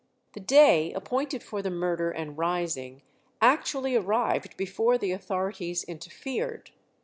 The day appointed for the murder and rising actually arrived before the authorities interfered.